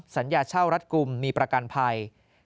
๓สัญญาเช่ารัฐกุมมีประกันภัย